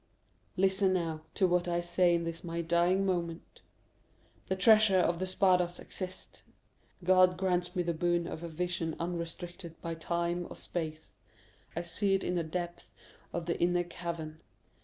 "Listen, now, to what I say in this my dying moment. The treasure of the Spadas exists. God grants me the boon of vision unrestricted by time or space. I see it in the depths of the inner cavern.